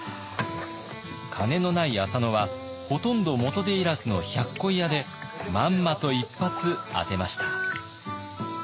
金のない浅野はほとんど元手いらずの冷やっこい屋でまんまと一発当てました。